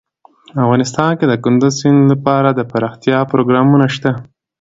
افغانستان کې د کندز سیند لپاره دپرمختیا پروګرامونه شته.